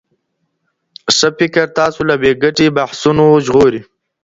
ښه فکر تاسو له بې ګټي بحثونو ژغوري.